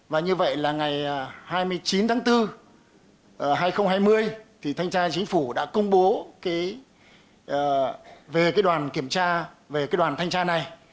và như vậy là ngày hai mươi chín tháng bốn hai nghìn hai mươi thanh tra chính phủ đã công bố về đoàn thanh tra này